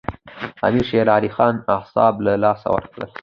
امیر شېر علي خان اعصاب له لاسه ورکړل.